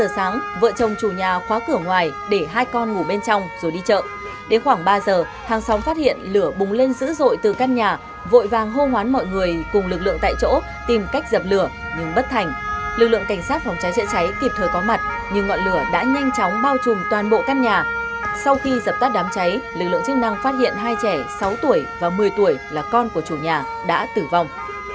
sau khi dập tắt đám cháy lực lượng chức năng phát hiện hai trẻ sáu tuổi và một mươi tuổi là con của chủ nhà đã tử vong